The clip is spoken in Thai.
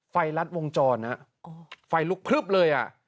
รัดวงจรฮะไฟลุกพลึบเลยอ่ะ